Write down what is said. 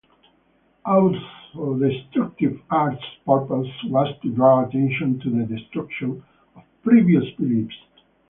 Auto-Destructive Art's purpose was to draw attention to the destruction of previous beliefs.